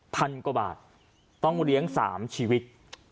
พันกว่าบาทต้องเลี้ยง๓ชีวิต